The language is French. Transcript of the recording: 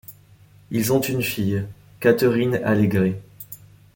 Ils ont une fille, Catherine Allégret.